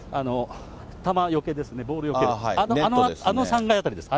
球よけですね、ボールよけ、あの３階辺りです。